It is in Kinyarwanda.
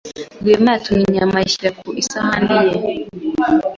Rwema yatemye inyama ayishyira ku isahani ye.